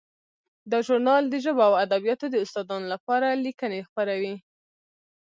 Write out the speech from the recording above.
دا ژورنال د ژبو او ادبیاتو د استادانو لپاره لیکنې خپروي.